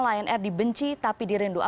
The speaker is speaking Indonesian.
lnr saya adalah yang terburuk di dunia